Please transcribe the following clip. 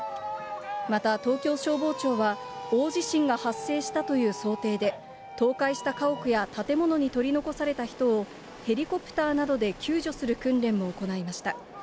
また、東京消防庁は、大地震が発生したという想定で、倒壊した家屋や建物に取り残された人をヘリコプターなどで救助する訓練も行いました。